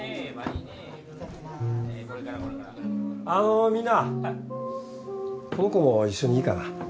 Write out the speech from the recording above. あのみんなこの子も一緒にいいかな？